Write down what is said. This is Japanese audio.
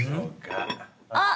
◆あっ。